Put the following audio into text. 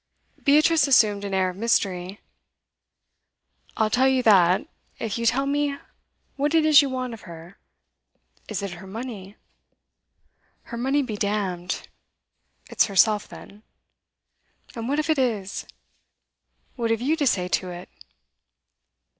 Beatrice assumed an air of mystery. 'I'll tell you that, if you tell me what it is you want of her. Is it her money?' 'Her money be damned!' 'It's herself, then.' 'And what if it is? What have you to say to it?